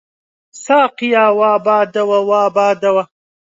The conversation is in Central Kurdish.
ساقییا! وا بادەوە، وا بادەوە